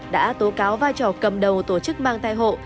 đã tố cáo vai trò cầm đầu tổ chức mang thai hộ